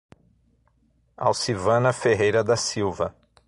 Alcivana Ferreira da Silva